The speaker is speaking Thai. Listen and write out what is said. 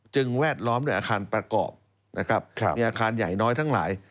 จึงแวดล้อมเนื้ออาคารประกอบมีอาคารใหญ่น้อยทั้งหลาย